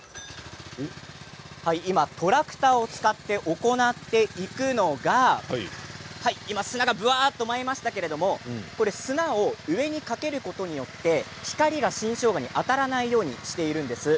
トラクターを使って行っているのが砂がぶわっと舞いましたけど砂を上にかけることによって光が新しょうがに当たらないようにしているんです。